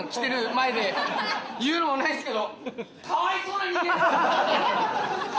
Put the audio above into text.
言うのも何ですけど。